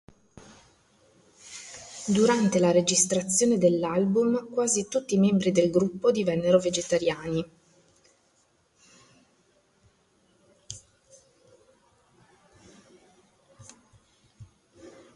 Durante la registrazione dell'album quasi tutti i membri del gruppo divennero vegetariani.